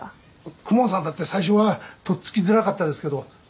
公文さんだって最初は取っつきづらかったですけど